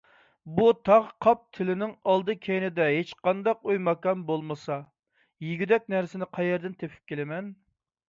بۇ تاغ قاپتىلىنىڭ ئالدى - كەينىدە ھېچقانداق ئۆي - ماكان بولمىسا، يېگۈدەك نەرسىنى قەيەردىن تېپىپ كېلىمەن؟